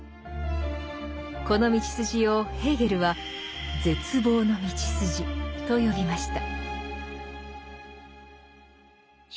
この道筋をヘーゲルは「絶望のみちすじ」と呼びました。